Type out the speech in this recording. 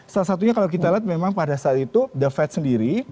salah satunya kalau kita lihat memang pada saat itu the fed sendiri